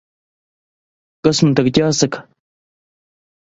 Kas man tagad jāsaka?